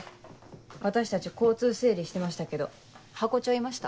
私たち交通整理してましたけどハコ長いました？